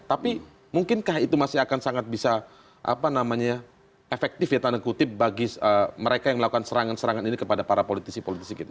tapi mungkinkah itu masih akan sangat bisa efektif ya tanda kutip bagi mereka yang melakukan serangan serangan ini kepada para politisi politisi kita